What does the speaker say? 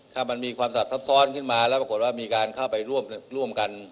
ถ้ามันมีความสับซับซ้อนขึ้นมาแล้วปรากฏว่ามีการเข้าไปร่วมกัน